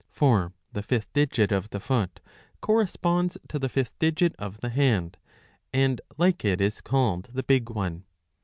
For the fifth digit of the foot corresponds to the fifth digit of the hand, and like it is called the big one.